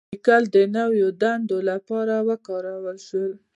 لیکل د نوو دندو لپاره وکارول شول.